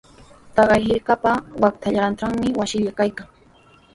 Taqay hirkapa waqtallantrawmi wasillaa kaykan.